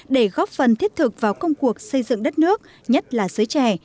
để góp phần thiết thực vào công cuộc xây dựng đất nước nhất là giới trẻ